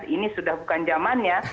ini sudah bukan zaman ya